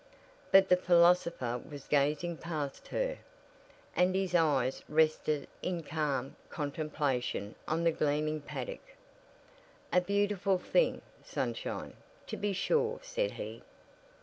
But the philosopher was gazing past her, and his eyes rested in calm contemplation on the gleaming paddock. "A beautiful thing, sunshine, to be sure," said he.